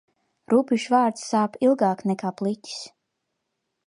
Rupjš vārds sāp ilgāk nekā pliķis.